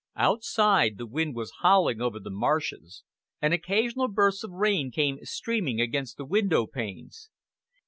Outside, the wind was howling over the marshes, and occasional bursts of rain came streaming against the window panes.